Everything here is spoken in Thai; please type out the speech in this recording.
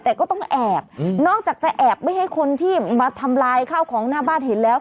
แต่ก็ต้องแอบนอกจากจะแอบไม่ให้คนที่มาทำลายข้าวของหน้าบ้านเห็นแล้ว